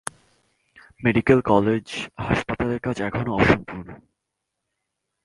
Medical college হাসপাতালের কাজ এখনো অসম্পূর্ণ।